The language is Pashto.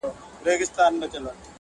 • خوله په غاښو ښه ښکاري -